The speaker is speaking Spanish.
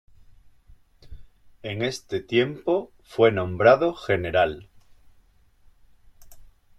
En este tiempo fue nombrado general.